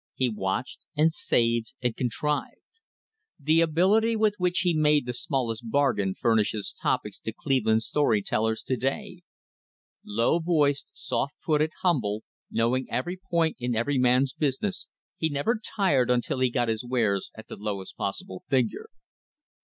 He watched and ; saved and contrived. The ability with which he made the smallest bargain furnishes topics to Cleveland story tellers I 1 to day. Low voiced, soft footed, humble, knowing every point in every man's business, he never tired until he got his wares at the lowest possible figure.